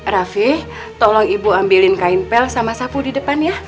rafi tolong ibu ambilin kain pel sama sapu di depan ya